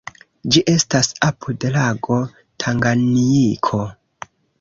Ĝi estas apud lago Tanganjiko.